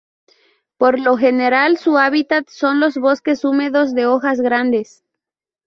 Por lo general su hábitat son los bosques húmedos de hojas grandes.